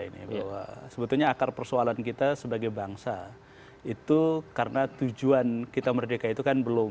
ini bahwa sebetulnya akar persoalan kita sebagai bangsa itu karena tujuan kita merdeka itu kan belum